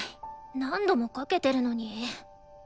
何度もかけてるのに。